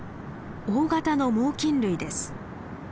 大型の猛きん類です。